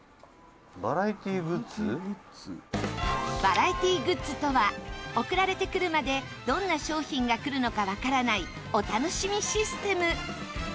バラエティグッズとは送られてくるまでどんな商品が来るのかわからないお楽しみシステム。